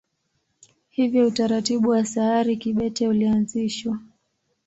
Hivyo utaratibu wa sayari kibete ulianzishwa.